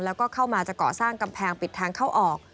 แล้วก็เข้ามาจะก่อสร้างกำแพงปิดทางเข้าออก